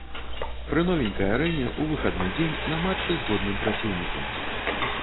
Пры новенькай арэне, у выхадны дзень, на матчы з годным праціўнікам.